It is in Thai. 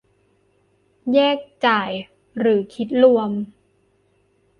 แยกจ่ายหรือคิดรวม